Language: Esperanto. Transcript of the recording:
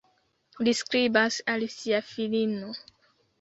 Li skribas al sia filino.